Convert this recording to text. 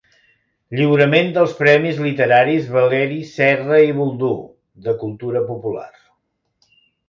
Lliurament dels premis literaris Valeri Serra i Boldú, de cultura popular.